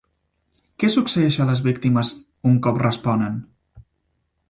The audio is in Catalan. Què succeeix a les víctimes un cop responen?